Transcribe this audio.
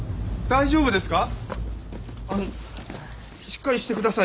大丈夫ですか？